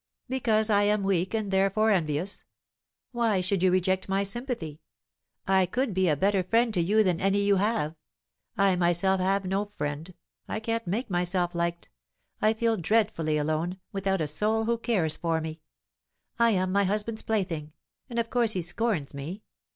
"Because I am weak, and therefore envious. Why should you reject my sympathy? I could be a better friend to you than any you have. I myself have no friend; I can't make myself liked. I feel dreadfully alone, without a soul who cares for me. I am my husband's plaything, and of course he scorns me.